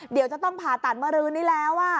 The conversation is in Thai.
เดี๋ยวจะต้องผ่าตัดเมื่อรื้อนี้แล้ว